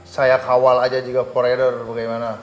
saya kawal aja juga koridor bagaimana